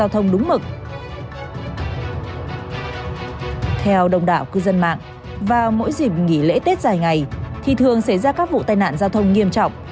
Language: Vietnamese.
theo đồng đạo cư dân mạng vào mỗi dịp nghỉ lễ tết dài ngày thì thường xảy ra các vụ tai nạn giao thông nghiêm trọng